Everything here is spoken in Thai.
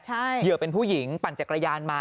เหยื่อเป็นผู้หญิงปั่นจักรยานมา